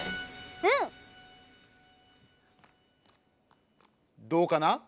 うん！どうかな？